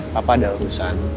papa ada urusan